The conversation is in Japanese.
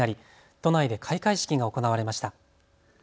都内で開会式が行われました。